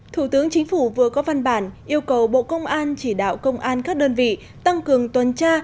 thủ tướng chính phủ vừa có văn bản yêu cầu bộ công an chỉ đạo công an các đơn vị tăng cường tuần tra